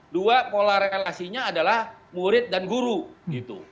dua pola relasinya adalah murid dan guru gitu